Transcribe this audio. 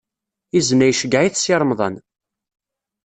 Izen-a iceyyeɛ-it Si Remḍan